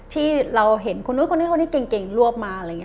ที่เราเห็นคนนู้นที่เก่งรวบมา